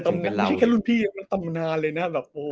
ไม่ใช่แค่รุ่นพี่แต่ตำนานเลยนะ